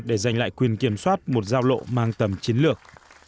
để giành lại quyền kiểm soát một giao lộ mang tầm chiến lược